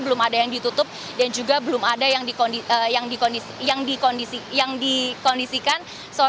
belum ada yang ditutup dan juga belum ada yang dikondisikan